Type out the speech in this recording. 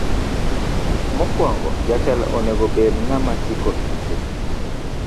Mokuongo jatelo onego obed ng'ama chiko ite.